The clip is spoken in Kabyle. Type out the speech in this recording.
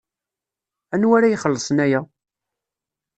Anwa ara ixellṣen aya?